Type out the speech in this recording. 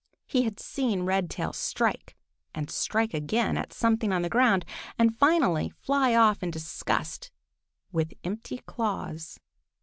He had seen Redtail strike and strike again at something on the ground, and finally fly off in disgust with empty claws.